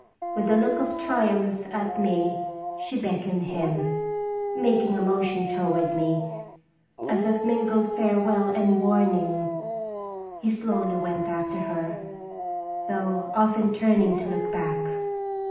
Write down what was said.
With a look of triumph at me, she beckoned him. Making a motion toward me, as of mingled farewell and warning, he slowly went after her, though often turning to look back.